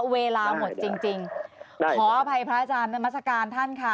เวลาหมดจริงขออภัยพระอาจารย์นามัศกาลท่านค่ะ